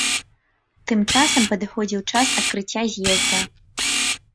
Тым часам падыходзіў час адкрыцця з'езда.